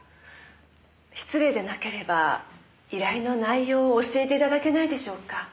失礼でなければ依頼の内容を教えていただけないでしょうか？